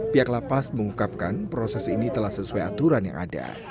pihak lapas mengungkapkan proses ini telah sesuai aturan yang ada